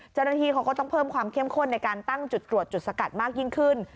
เจ้าหน้าที่เขาก็ต้องเพิ่มความเข้มข้นในการตั้งจุดตรวจจุดสกัดมากยิ่งขึ้น